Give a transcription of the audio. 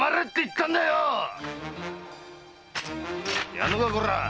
やるかコラ！